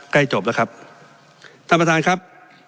ใกล้จบแล้วครับท่านประธานครับ